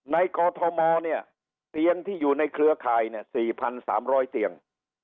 กอทมเนี่ยเตียงที่อยู่ในเครือข่าย๔๓๐๐เตียง